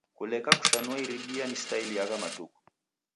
Kuleka kushanua iridia ni staili agha matuku